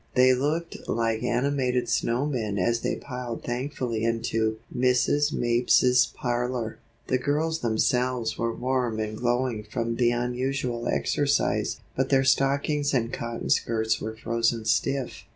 They looked like animated snow men as they piled thankfully into Mrs. Mapes's parlor. The girls themselves were warm and glowing from the unusual exercise, but their stockings and cotton skirts were frozen stiff.